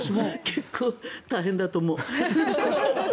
結構、大変だと思う。